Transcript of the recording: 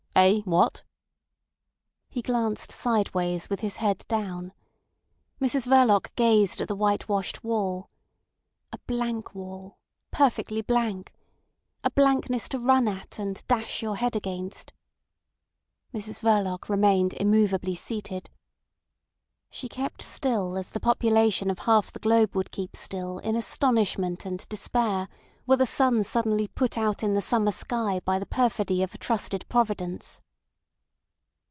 Eh? What?" He glanced sideways, with his head down. Mrs Verloc gazed at the whitewashed wall. A blank wall—perfectly blank. A blankness to run at and dash your head against. Mrs Verloc remained immovably seated. She kept still as the population of half the globe would keep still in astonishment and despair, were the sun suddenly put out in the summer sky by the perfidy of a trusted providence.